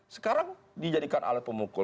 sekarang dijadikan alat pemukul